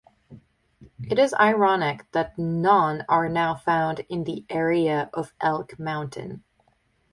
It is ironic that none are now found in the area of Elk Mountain.